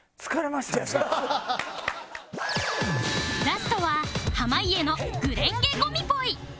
ラストは濱家の『紅蓮華』ゴミポイ